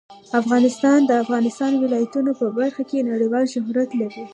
افغانستان د د افغانستان ولايتونه په برخه کې نړیوال شهرت لري.